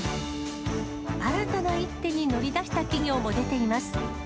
新たな一手に乗り出した企業も出ています。